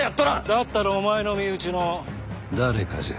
だったらお前の身内の誰かじゃ。